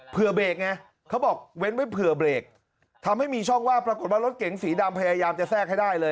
เบรกไงเขาบอกเว้นไว้เผื่อเบรกทำให้มีช่องว่างปรากฏว่ารถเก๋งสีดำพยายามจะแทรกให้ได้เลย